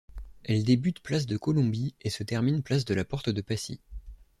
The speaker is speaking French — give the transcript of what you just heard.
Elle débute place de Colombie et se termine place de la Porte-de-Passy.